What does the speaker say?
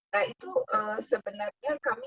nah itu sebenarnya kami